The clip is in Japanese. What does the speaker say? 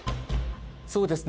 そうですね。